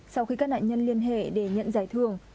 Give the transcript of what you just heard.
sau khi các nạn nhân liên hệ để nhận giải thưởng